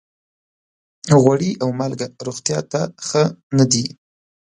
غوړي او مالګه روغتیا ته ښه نه دي.